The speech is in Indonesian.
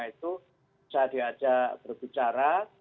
bisa diajak berbicara